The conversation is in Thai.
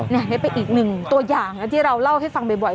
นี่เป็นอีกหนึ่งตัวอย่างที่เราเล่าให้ฟังบ่อย